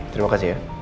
terima kasih ya